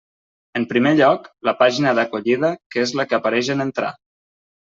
En primer lloc, la pàgina d'acollida, que és la que apareix en entrar.